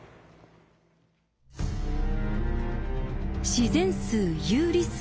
自然数有理数